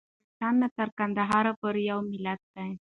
د بدخشان نه تر قندهار پورې یو ملت دی.